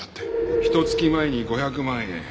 ひと月前に５００万円。